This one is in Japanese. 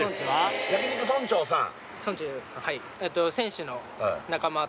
焼肉村長さん